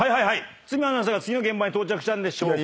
堤アナウンサーが次の現場に到着したんでしょうか。